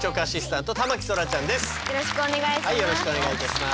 よろしくお願いします。